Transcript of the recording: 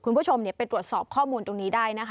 คุณผู้ชมไปตรวจสอบข้อมูลตรงนี้ได้นะคะ